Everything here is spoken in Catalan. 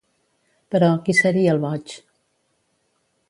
Però ¿qui seria, el boig?